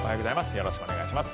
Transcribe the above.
よろしくお願いします。